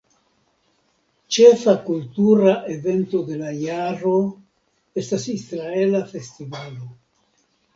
Ĉefa kultura evento de la jaro estas Israela festivalo.